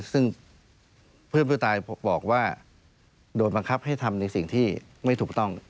ซึ่งเพื่อนผู้ตายบอกว่าโดนบังคับให้ทำในสิ่งที่ไม่ถูกต้อง